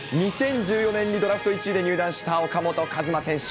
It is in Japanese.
２０１４年にドラフト１位で入団した岡本和真選手。